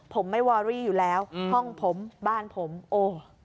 ผมไม่วอรี่อยู่แล้วห้องผมบ้านผมโอ้